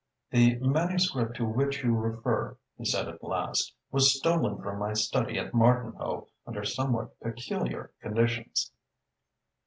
"The manuscript to which you refer," he said at last, "was stolen from my study at Martinhoe under somewhat peculiar conditions."